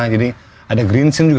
jadi ada green scene juga